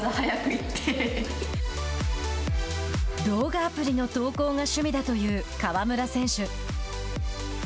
動画アプリの投稿が趣味だという川村選手。